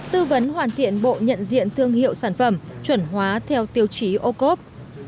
tư vấn hoàn thiện bộ nhận diện thương hiệu sản phẩm chuẩn hóa theo tiêu chí ô cốp